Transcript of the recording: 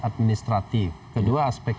administratif kedua aspek